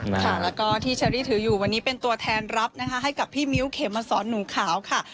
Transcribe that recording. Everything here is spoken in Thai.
แล้วก็ที่เชอรี่ถืออยู่วันนี้เป็นตัวแทนรับนะคะให้กับพี่มิ้วเขมสอนหนูขาวค่ะ